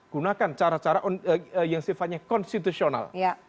gunakan cara cara yang sifatnya konstitusional